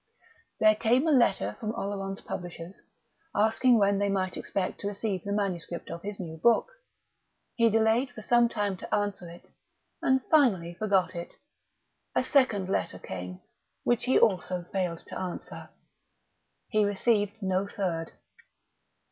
There came a letter from Oleron's publishers, asking when they might expect to receive the manuscript of his new book; he delayed for some days to answer it, and finally forgot it. A second letter came, which also he failed to answer. He received no third.